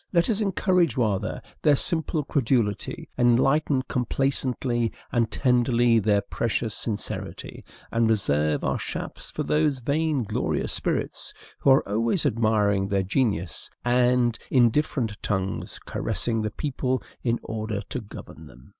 Let us encourage rather their simple credulity, enlighten complacently and tenderly their precious sincerity, and reserve our shafts for those vain glorious spirits who are always admiring their genius, and, in different tongues, caressing the people in order to govern them.